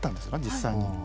実際に。